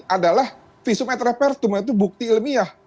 adalah visum etrapertum yaitu bukti ilmiah